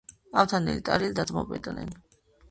ავთანდილი და ტარიელი დაძმობილდნენ